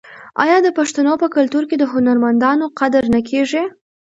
آیا د پښتنو په کلتور کې د هنرمندانو قدر نه کیږي؟